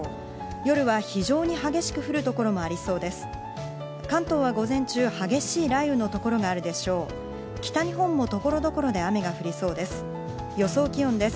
夜は非常に激しく降る所もありそうです。